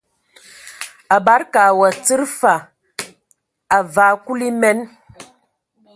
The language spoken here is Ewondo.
A bade ka we tsid fa, a vaa Kulu enam.